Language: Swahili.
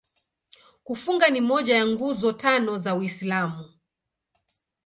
Kufunga ni moja ya Nguzo Tano za Uislamu.